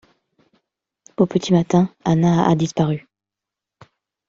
Au petit matin Anna a disparu.